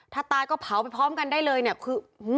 ถ้าตายก็เผาไปพร้อมกันได้เลยหึ